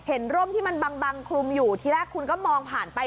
ร่มที่มันบังคลุมอยู่ที่แรกคุณก็มองผ่านไป